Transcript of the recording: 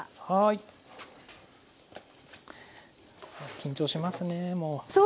緊張しますねもう。